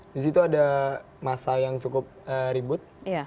di situ ada masa yang cukup ribut